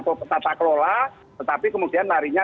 ditata kelola tetapi kemudian marinya